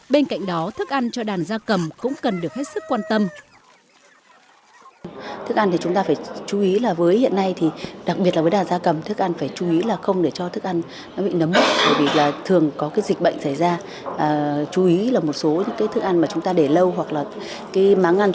bên cạnh đó thức ăn cho đàn da cầm cũng cần được hết sức quan tâm